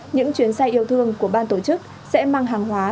những chuyến xe yêu thương của ban tổ chức sẽ mang hàng hóa